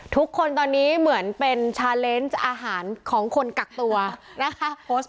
ทุกคนตอนนี้เหมือนเป็นชาเลนส์อาหารของคนกักตัวนะคะ